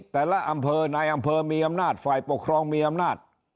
แต่ละอำเภอในอำเภอมีอำนาจฝ่ายปกครองมีอำนาจ